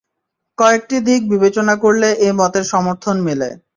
কয়েকটি দিক বিবেচনা করলে এ মতের সমর্থন মেলে।